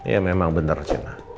ya memang benar sienna